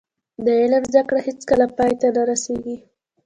د علم زده کړه هیڅکله پای ته نه رسیږي.